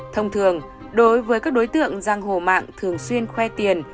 thông thường đối với các đối tượng giang hồ mạng thường xuyên khoe tiền